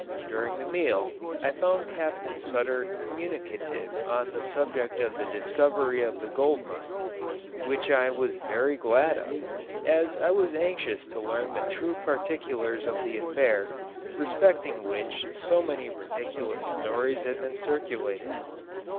During the meal, I found Captain Sutter communicative on the subject of the discovery of the gold mines, which I was very glad of, as I was anxious to learn the true particulars of the affair, respecting which so many ridiculous stories had been circulated.